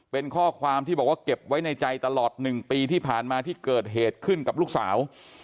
เป็นข้อความที่บอกว่าเก็บไว้ในใจตลอด๑ปีที่ผ่านมาที่เกิดเหตุขึ้นกับลูกสาว